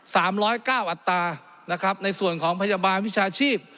สามร้อยเก้าอัตรานะครับในส่วนของพยาบาลวิชาชีพ